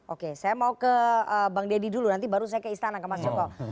oke saya mau ke bang deddy dulu nanti baru saya ke istana ke mas joko